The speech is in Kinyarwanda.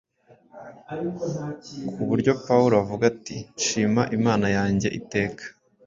ku buryo Pawulo avuga ati, “Nshima Imana yanjye iteka,